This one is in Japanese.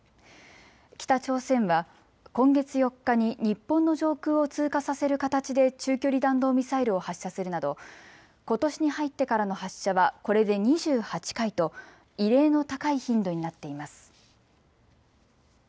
北朝鮮は今月４日に日本の上空を通過させる形で中距離弾道ミサイルを発射するなどことしに入ってからの発射はこれで２８回と異例の高い頻度になっています。